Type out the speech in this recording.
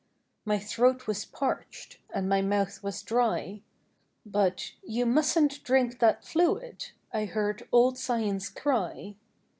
My throat was parched And my mouth was dry; But, " You mustn't drink that fluid," I heard old Science cry.